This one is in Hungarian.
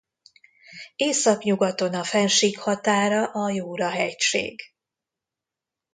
Északnyugaton a fennsík határa a Jura-hegység.